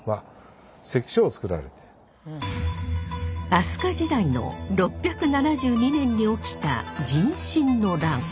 飛鳥時代の６７２年に起きた壬申の乱。